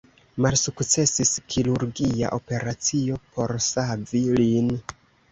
Malsukcesis kirurgia operacio por savi lin.